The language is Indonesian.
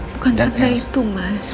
bukan karena itu mas